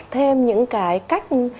thêm những cái cách